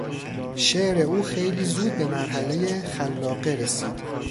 شعر او خیلی زود به مرحلهی خلاقه رسید.